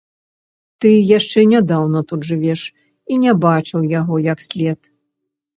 Ты яшчэ нядаўна тут жывеш і не бачыў яго як след.